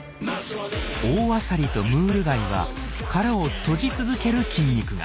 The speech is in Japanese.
オオアサリとムール貝は殻を閉じ続ける筋肉が。